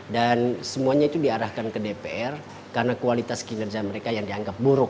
dan semuanya itu diarahkan ke dpr karena kualitas kinerja mereka yang dianggap buruk